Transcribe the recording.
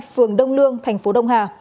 phường đông lương thành phố đông hà